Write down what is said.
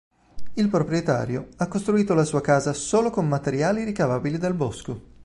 Il proprietario ha costruito la sua casa solo con materiali ricavabili dal bosco.